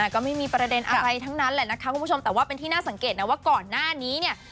ก็ไม่มีประเด็นอะไรทั้งนั้นแหละนะคะคุณผู้ชมแต่ว่าเป็นที่น่าสังเกตนะว่าก่อนหน้านี้เนี่ย